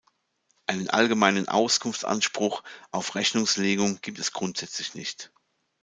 Einen allgemeinen Auskunftsanspruch auf Rechnungslegung gibt es grundsätzlich nicht.